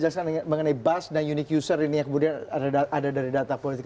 jadi kita bisa lihat mengenai buzz dan unique user ini yang kemudian ada dari data politika